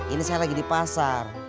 ini saya lagi di pasar